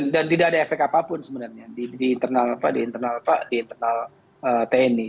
dan tidak ada efek apapun sebenarnya di internal apa di internal apa di internal tni